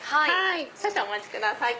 少々お待ちください。